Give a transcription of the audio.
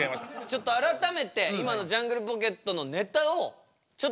ちょっと改めて今のジャングルポケットのネタをちょっとこちらで見てみましょう。